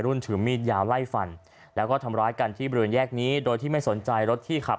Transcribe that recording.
ถือมีดยาวไล่ฟันแล้วก็ทำร้ายกันที่บริเวณแยกนี้โดยที่ไม่สนใจรถที่ขับ